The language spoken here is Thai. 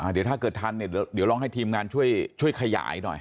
เดี๋ยวถ้าเกิดทันเนี่ยเดี๋ยวลองให้ทีมงานช่วยขยายหน่อย